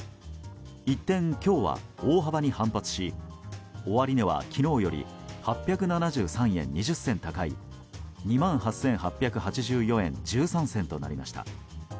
一転、今日は大幅に反発し終値は昨日より８７３円２０銭高い２万８８８４円１３銭となりました。